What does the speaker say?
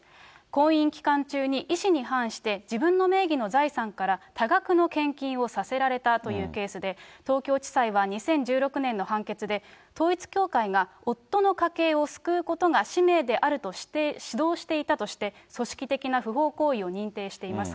婚姻期間中に意思に反して自分の名義の財産から多額の献金をさせられたというケースで、東京地裁は２０１６年の判決で、統一教会が夫の家計を救うことが使命であると指導していたとして、組織的な不法行為を認定しています。